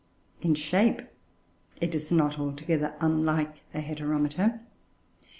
In shape, it is not altogether unlike Heteromita.